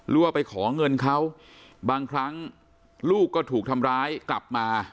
ว่าไปขอเงินเขาบางครั้งลูกก็ถูกทำร้ายกลับมา